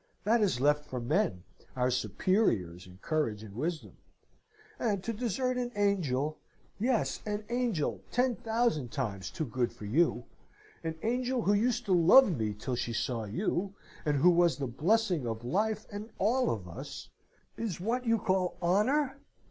That is left for men, our superiors in courage and wisdom; and to desert an angel yes, an angel ten thousand times too good for you; an angel who used to love me till she saw you, and who was the blessing of life and of all of us is what you call honour?